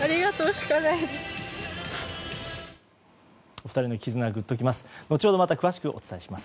お二人の絆グッときます。